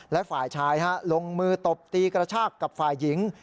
และฝ่ายชายลงมือตบตีกระชากกับฝ่ายหญิง